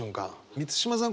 満島さん